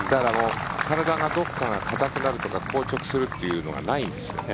体のどこかが硬くなるとか硬直するというのがないんですよね。